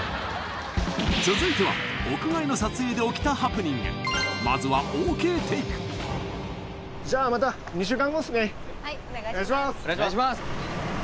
続いては屋外の撮影で起きたハプニングまずはＯＫテイクじゃあまた２週間後っすねはいお願いします